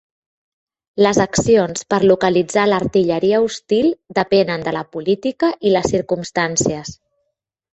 Les accions per localitzar l'artilleria hostil depenen de la política i les circumstàncies.